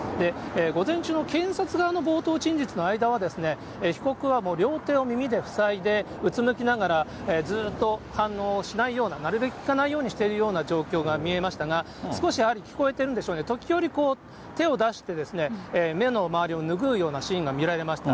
午前中の検察側の冒頭陳述の間は、被告はもう両手を耳で塞いで、うつむきながら、ずっと反応をしないような、なるべく聞かないようにしているような状況が見えましたが、少しやはり聞こえてるんでしょうね、時折手を出して、目の周りをぬぐうようなシーンが見られました。